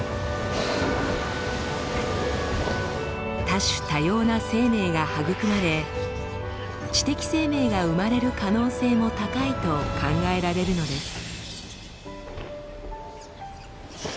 多種多様な生命が育まれ知的生命が生まれる可能性も高いと考えられるのです。